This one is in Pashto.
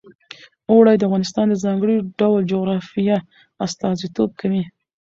اوړي د افغانستان د ځانګړي ډول جغرافیه استازیتوب کوي.